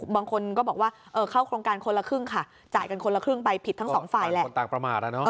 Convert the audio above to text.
บางคนก็บอกว่าเข้าโครงการคนละครึ่งค่ะจ่ายกันคนละครึ่งไปผิดทั้งสองฝ่ายแหละคนต่างประมาท